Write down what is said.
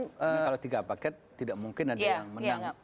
kalau tiga paket tidak mungkin ada yang menang